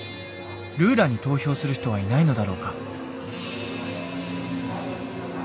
ルーラに投票する人はいないのだろうか？